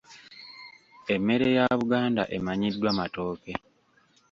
Emmere ya Buganda emanyiddwa matooke.